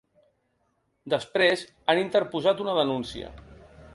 Després, han interposat una denúncia.